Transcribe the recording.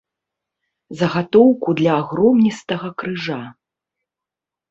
Загатоўку для агромністага крыжа.